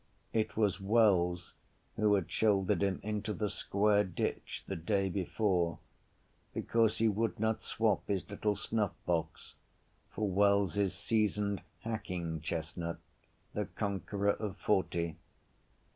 It was Wells who had shouldered him into the square ditch the day before because he would not swop his little snuffbox for Wells’s seasoned hacking chestnut, the conqueror of forty.